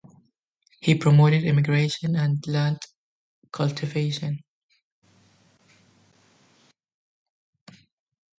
He promoted immigration and land cultivation.